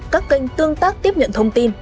các kênh tương tác tiếp nhận thông tin